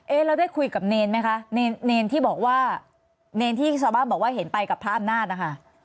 แล้วได้คุยกับเนรไหมคะเนรเนรที่บอกว่าเนรที่ชาวบ้านบอกว่าเห็นไปกับพระอำนาจนะคะ